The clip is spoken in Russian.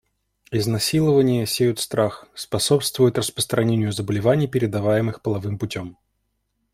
Изнасилования сеют страх, способствуют распространению заболеваний, передаваемых половым путем.